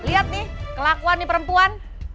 lihat nih kelakuan nih perempuan